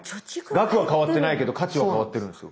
額は変わってないけど価値は変わってるんですよ。